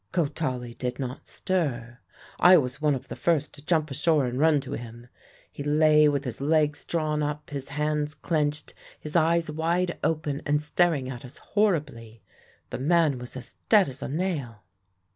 Kotali did not stir. I was one of the first to jump ashore and run to him. He lay with his legs drawn up, his hands clenched, his eyes wide open and staring at us horribly. The man was as dead as a nail.